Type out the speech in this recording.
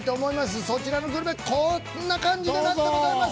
これ、そちらのグルメこんな感じになってございます。